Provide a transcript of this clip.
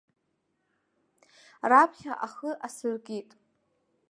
Раԥхьа ахы асыркит.